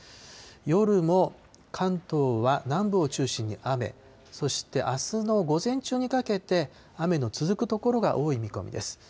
夜も関東は南部を中心に雨、そしてあすの午前中にかけて雨の続く所が多い見込みです。